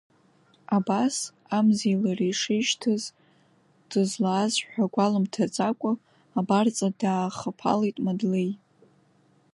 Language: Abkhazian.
Абас, амзеи лареи шеишьҭаз, дызлааз ҳәа гәалымҭаӡакәа, абарҵа даахаԥалеит Мадлеи.